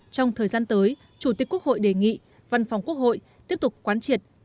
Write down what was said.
trong thời gian tới chủ tịch quốc hội đề nghị văn phòng quốc hội tiếp tục quán triệt